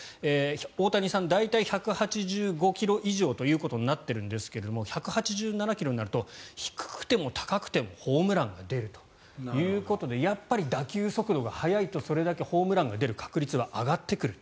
大谷さん、大体１８５ｋｍ以上ということになっているんですが１８７ｋｍになると低くても高くてもホームランが出るということでやっぱり打球速度が速いとそれだけホームランが出る確率は上がってくる。